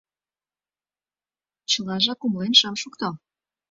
— Чылажак умылен шым шукто.